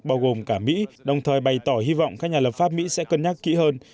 bao gồm cả mỹ đồng thời bày tỏ hy vọng các nhà lập pháp mỹ sẽ cân nhắc kỹ hơn